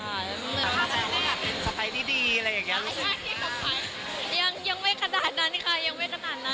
ถ้าแสดงว่าอยากเป็นสไตล์ดีอะไรอย่างนี้รู้สึกยังไม่ขนาดนั้นค่ะ